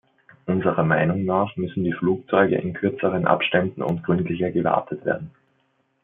Unserer Meinung nach müssen die Flugzeuge in kürzeren Abständen und gründlicher gewartet werden.